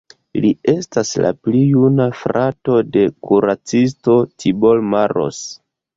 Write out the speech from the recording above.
Li estas la pli juna frato de kuracisto Tibor Maros.